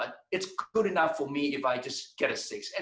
ini cukup bagus untuk saya jika saya hanya mendapatkan enam